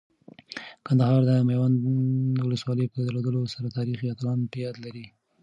کندهار د میوند ولسوالۍ په درلودلو سره تاریخي اتلان په یاد لري.